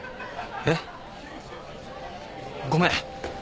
えっ？ごめん。